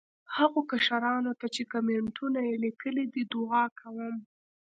هغو کشرانو ته چې کامینټونه یې لیکلي دي، دعا کوم.